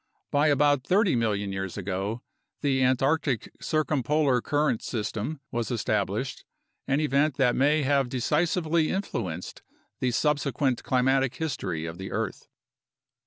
By about 30 million years ago, the Antarctic circumpolar current system was established, an event that may have decisively influenced the sub sequent climatic history of the earth.